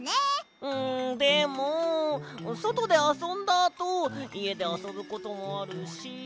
んでもそとであそんだあといえであそぶこともあるし。